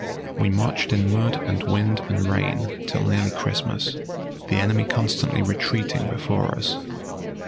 We marched in mud and wind and rain till nearly Christmas, the enemy constantly retreating before us.